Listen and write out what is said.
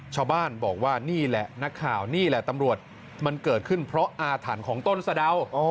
ชาวบ้านบอกว่านี่แหละนักข่าวนี่แหละตำรวจมันเกิดขึ้นเพราะอาถรรพ์ของต้นสะดาว